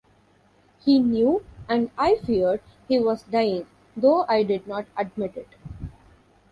He knew, and I feared, he was dying, though I did not admit it.